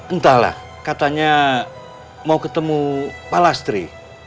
entahlah katanya mau ketemu pak lastri